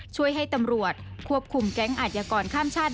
ช่วยให้ตำรวจควบคุมแก๊งอาจยากรข้ามชาติ